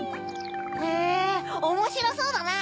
へぇおもしろそうだな！